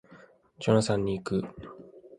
ジョナサンに行く